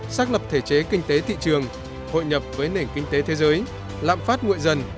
xác lập thể chế kinh tế thị trường hội nhập với nền kinh tế thế giới lạm phát nguội dần